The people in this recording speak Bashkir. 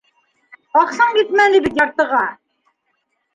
Аҡсаң етмәне бит яртыға!